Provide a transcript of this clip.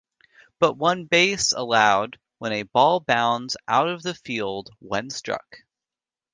But one base allowed when a ball bounds out of the field when struck.